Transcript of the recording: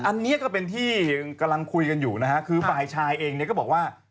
อันนี้ก็เป็นที่กำลังคุยกันอยู่นะฮะคือฝ่ายชายเองเนี่ยก็บอกว่า